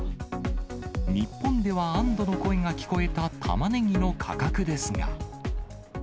日本では安どの声が聞こえたタマネギの価格ですが。